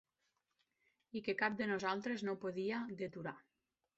...i que cap de nosaltres no podia deturar